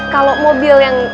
kalau mobil yang